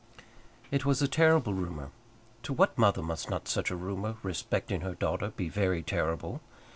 It was a terrible rumour. To what mother must not such a rumour respecting her daughter be very terrible?